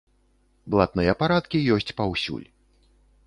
Блатныя парадкі ёсць паўсюль.